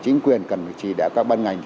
chính quyền cần phải chỉ đả các ban ngành